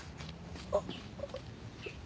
あっ。